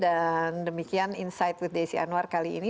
dan demikian insight with desi anwar kali ini